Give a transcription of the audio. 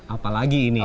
apalagi ini ya